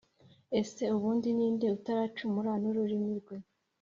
ese ubundi ni nde utaracumura n’ururimi rwe?